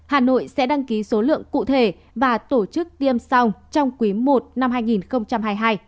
hà nội sẽ đăng ký số lượng cụ thể và tổ chức tiêm sau trong quý i năm hai nghìn hai mươi hai